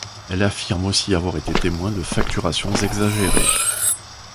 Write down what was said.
Elle affirme aussi avoir été témoin de facturations exagérées.